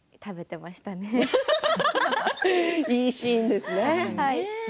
いいシーンでしたよね。